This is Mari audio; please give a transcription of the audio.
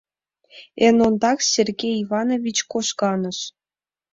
Эн ондак Сергей Иванович кожганыш.